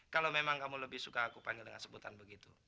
kalau memang kamu lebih suka aku panggil dengan sebutan begitu